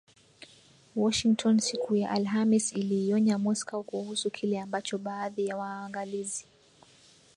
Washington siku ya Alhamis iliionya Moscow kuhusu kile ambacho baadhi ya waangalizi